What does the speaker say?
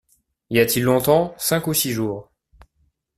Y a-t-il longtemps ? Cinq ou six jours.